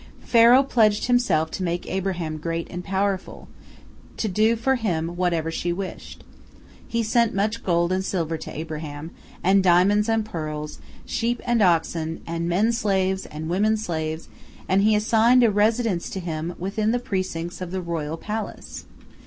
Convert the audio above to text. Pharaoh pledged himself to make Abraham great and powerful, to do for him whatever she wished. He sent much gold and silver to Abraham, and diamonds and pearls, sheep and oxen, and men slaves and women slaves, and he assigned a residence to him within the precincts of the royal palace.